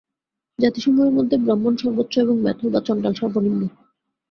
জাতিসমূহের মধ্যে ব্রাহ্মণ সর্বোচ্চ এবং মেথর বা চণ্ডাল সর্বনিম্ন।